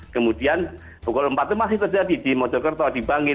kemudian pukul empat itu masih terjadi di mojokerto di bangil